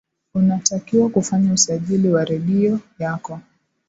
unatakiwa kufanya usajili wa redio yako